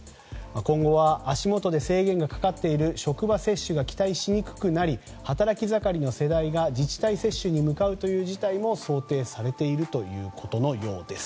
今後は足元で制限がかかっている職場接種が期待しにくくなり働き盛りの世代が自治体接種に向かうという事態も想定されているということのようです。